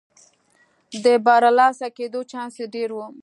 د برلاسه کېدو چانس یې ډېر و.